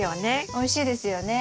おいしいですよね。